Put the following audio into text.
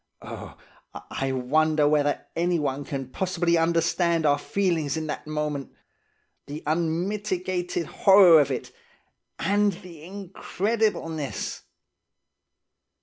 Oh, I wonder whether anyone can possibly understand our feelings in that moment? The unmitigated horror of it and the incredibleness!